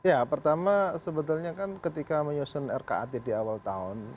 ya pertama sebetulnya kan ketika menyusun rkat di awal tahun